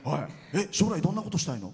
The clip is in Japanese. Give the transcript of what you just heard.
将来、どんなことしたいの？